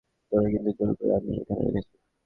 তোকে কিন্তু জোর করে আমিই এখানে রেখেছি!